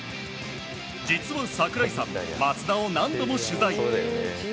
実は櫻井さん松田を何度も取材。